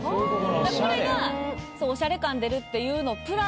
これがおしゃれ感出るっていうのプラス